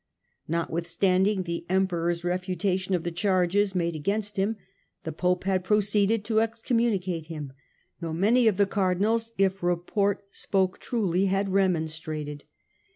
Notwithstanding the Emperor's refutation of the charges made against him the Pope had proceeded to excom municate him, though many of the Cardinals, if report spoke truly, had remonstrated.